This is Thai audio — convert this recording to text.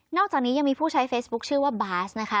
อกจากนี้ยังมีผู้ใช้เฟซบุ๊คชื่อว่าบาสนะคะ